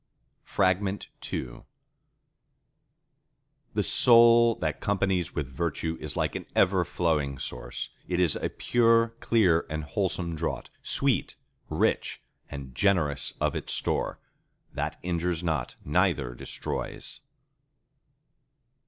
II The soul that companies with Virtue is like an ever flowing source. It is a pure, clear, and wholesome draught; sweet, rich, and generous of its store; that injures not, neither destroys.